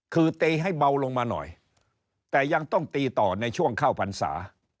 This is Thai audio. คือตีให้เบาลงมาหน่อยแต่ยังต้องตีต่อในช่วงเข้าพรรษา